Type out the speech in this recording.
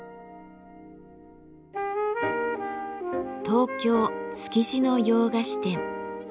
東京・築地の洋菓子店。